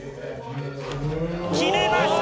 決めました！